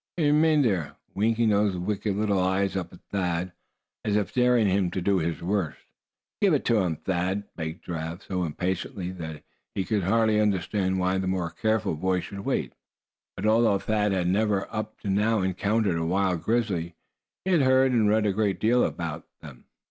He remained there, winking those wicked little eyes up at Thad, as if daring him to do his worst. "Give it to him, Thad!" begged Giraffe, so impatient that he could hardly understand why the more careful boy should wait. But although Thad had never up to now encountered a wild grizzly, he had heard and read a great deal about them.